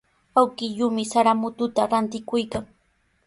Awkilluumi sara mututa rantikuykan.